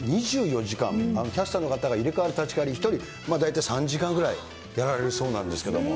２４時間、キャスターの方から入れ代わり立ち代わり、１人、大体３時間ぐらいやられるそうなんですけども。